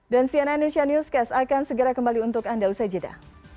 dan cnn indonesia newscast akan segera kembali untuk anda usai jeda